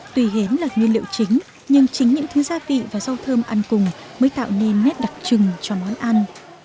tùy hến là nguyên liệu chính nhưng chính những thứ gia vị và rau thơm ăn cùng mới tạo nên nét đặc trưng cho món ăn